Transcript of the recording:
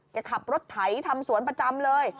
แกขับรถไถทำสวนประจำเลย